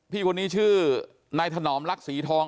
พี่คนนี้ชื่อนายถนอมลักษีทอง